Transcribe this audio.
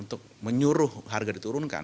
untuk menyuruh harga diturunkan